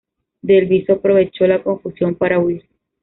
Del Viso aprovechó la confusión para huir.